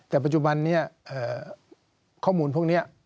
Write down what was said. แต่ปัจจุบันนี้ข้อมูลพวกนี้